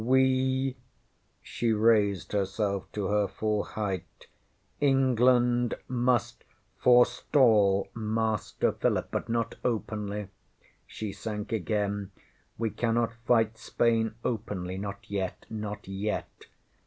WeŌĆÖ she raised herself to her full height ŌĆśEngland must forestall Master Philip. But not openly, ŌĆÖ she sank again ŌĆśwe cannot fight Spain openly not yet not yet.